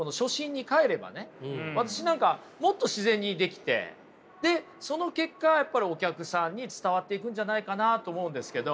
私なんかもっと自然にできてでその結果やっぱりお客さんに伝わっていくんじゃないかなと思うんですけど。